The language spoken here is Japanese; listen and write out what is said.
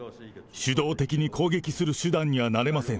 主導的に攻撃する手段にはなれません。